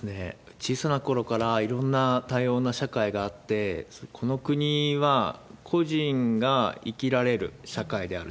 小さなころからいろんな多様な社会があって、この国は、個人が生きられる社会である。